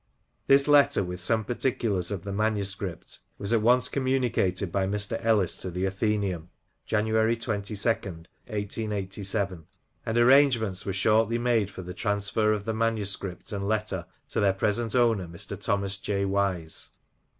This letter, with some particulars of the manuscript, was at once communicated by Mr. Ellis to TJte Athenceum} and arrangements were shortly made for the transfer of the manuscript and letter to their present owner, Mr. Thomas J. Wise.